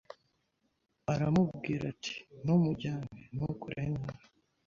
Aramubwira ati 'Ntumujyane Ntukore nabi